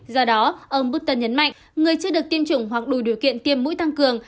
do đó ông busta nhấn mạnh người chưa được tiêm chủng hoặc đủ điều kiện tiêm mũi tăng cường